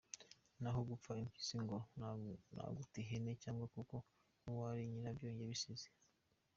Naho gupfa ibyisi byo nuguta igihe cyanyu kuko nuwari nyirabyo yabisize.